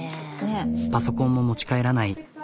パソコンも持ち帰らない。